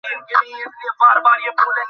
তাঁকে কেমন যেন চিন্তিত মনে হতে লাগল।